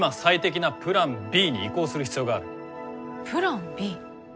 プランＢ？